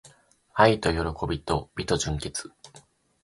愛と喜びと美と純潔